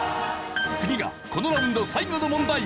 次がこのラウンド最後の問題。